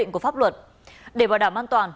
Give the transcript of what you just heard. của pháp luật để bảo đảm an toàn